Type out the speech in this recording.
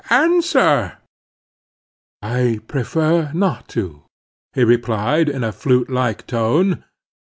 Answer!" "I prefer not to," he replied in a flute like tone.